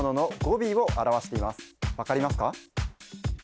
分かりますか？